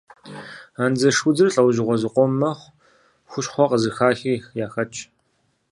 Андзыш удзыр лӏэужьыгъуэ зыкъом мэхъу, хущхъуэ къызыхахи яхэтщ.